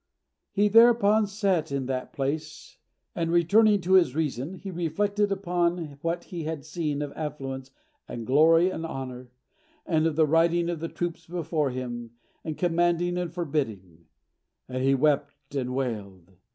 He thereupon sat in that place, and, returning to his reason, he reflected upon what he had seen of affluence and glory and honour, and the riding of the troops before him, and commanding and forbidding; and he wept and wailed.